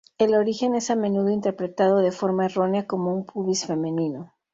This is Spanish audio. El origen es a menudo interpretado de forma errónea como un pubis femenino.